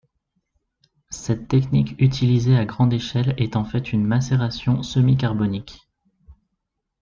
Cette technique utilisée à grande échelle est en fait une macération semi-carbonique.